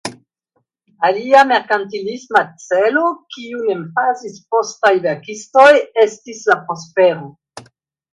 Alia merkantilisma celo, kiun emfazis postaj verkistoj, estis la prospero.